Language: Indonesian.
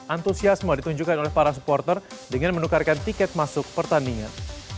antusiasme ditunjukkan oleh para supporter dengan menukarkan tiket masuk pertandingan